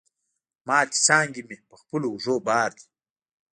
ماتي څانګي مي په خپلو اوږو بار دي